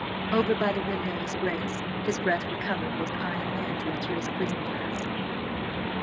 Over by the window his Grace, his breath recovered, was eyeing Andrew through his quizzing glass.